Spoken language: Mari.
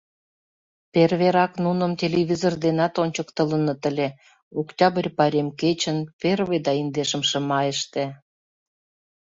Перверак нуным телевизор денат ончыктылыныт ыле: Октябрь пайрем кечын, Первый да Индешымше майыште.